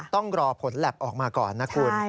ต้องรอผลแล็บออกมาก่อนนะคุณ